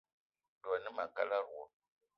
Dwé a ne ma a kalada wo.